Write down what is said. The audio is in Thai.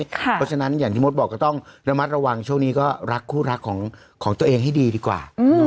เพราะฉะนั้นอย่างที่มดบอกก็ต้องระมัดระวังช่วงนี้ก็รักคู่รักของตัวเองให้ดีดีกว่า